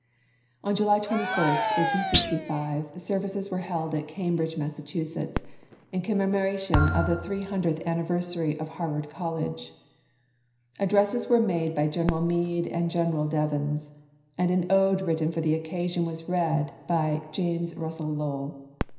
KATE PUTNAM OSGOOD. On July 21, 1865, services were held at Cambridge, Mass., in commemoration of the three hundredth anniversary of Harvard College. Addresses were made by General Meade and General Devens, and an ode written for the occasion was read by James Russell Lowell.